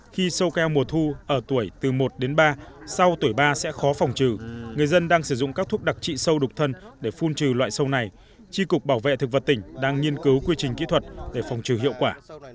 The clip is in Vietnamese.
khi sâu keo mùa thu ở tuổi từ một đến ba sau tuổi ba sẽ khó phòng trừ người dân đang sử dụng các thuốc đặc trị sâu đục thân để phun trừ loại sâu này tri cục bảo vệ thực vật tỉnh đang nghiên cứu quy trình kỹ thuật để phòng trừ hiệu quả